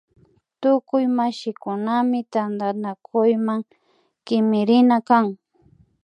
Tukuy mashikunami tantanakuyma kimirina kan